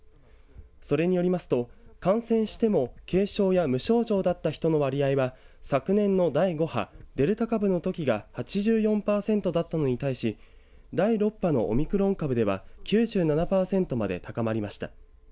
それによりますと感染しても軽症や無症状だった人の割合は昨年の第５波、デルタ株のときが８４パーセントだったのに対し第６波のオミクロン株では９７パーセントまで高まりました。